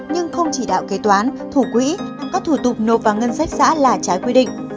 nhưng không chỉ đạo kế toán thủ quỹ các thủ tục nộp vào ngân sách xã là trái quy định